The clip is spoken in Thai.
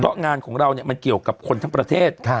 เพราะงานของเรามันเกี่ยวกับคนทั้งประเทศ